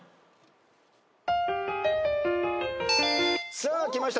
さあきました